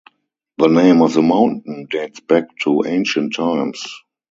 The name of the mountain dates back to ancient times.